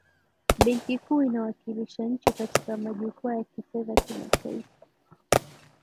benki kuu inawakilisha nchi katika majukwaa ya kifedha kimataifa